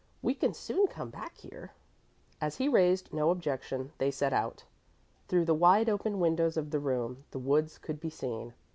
"We can soon come back here." As he raised no objection, they set out. Through the wide open windows of the room the woods could be seen.